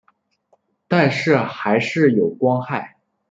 但是还是有光害